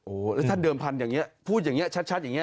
โอ้โหแล้วท่านเดิมพันธุ์อย่างนี้พูดอย่างนี้ชัดอย่างนี้